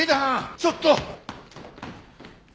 ちょっと！